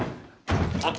あっ。